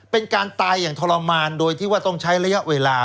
เป็นการตายอย่างทรมานโดยที่ว่าต้องใช้ระยะเวลา